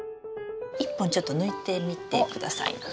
１本ちょっと抜いてみてくださいな。